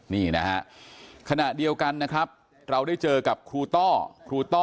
นี่นะฮะขณะเดียวกันนะครับเราได้เจอกับครูต้อครูต้อ